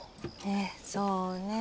ええそうね。